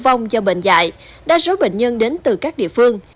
vâng do bệnh dại đa số bệnh nhân đến từ các địa phương